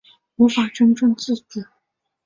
无法真正自主